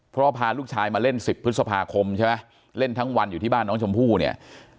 เพราะพาลูกชายมาเล่น๑๐พฤษภาคมใช่ไหมเล่นทั้งวันอยู่ที่บ้านน้องชมพู่เนี่ย